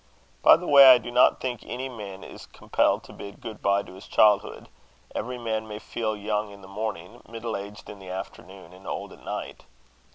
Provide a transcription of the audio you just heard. By the way, I do not think any man is compelled to bid good bye to his childhood: every man may feel young in the morning, middle aged in the afternoon, and old at night.